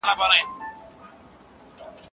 اوربل يې ما دانه وانه کړ